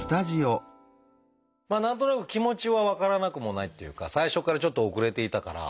まあ何となく気持ちは分からなくもないっていうか最初からちょっと遅れていたから。